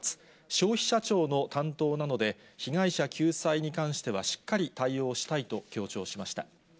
消費者庁の担当なので、被害者救済に関してはしっかり対応したいと強調しました。